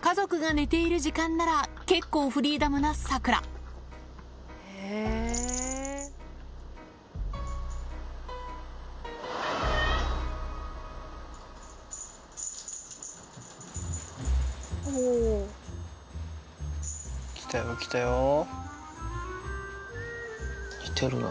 家族が寝ている時間なら、結構フリーダムなサクラ。来たよ、来たよ、来てるな。